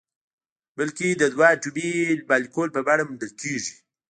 بلکې د دوه اتومي مالیکول په بڼه موندل کیږي.